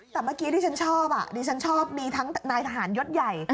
แต่เมื่อกี้ที่ฉันชอบดิฉันชอบมีทั้งนายทหารยศใหญ่